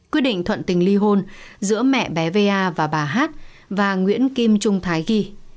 quyết định thuận tình ly hôn giữa mẹ bé va và bà hát và nguyễn kim trung thái ghi